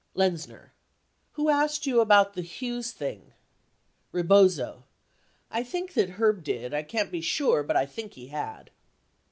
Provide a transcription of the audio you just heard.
Lenzner. Who asked you about the Hughes thing Rebozo. I think that Herb did, can't be sure, but I think he had